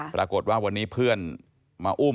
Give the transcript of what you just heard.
ปรากฏว่าวันนี้เพื่อนมาอุ้ม